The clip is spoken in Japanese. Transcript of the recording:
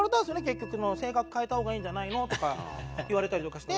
結構その「性格変えた方がいいんじゃないの？」とか言われたりとかして。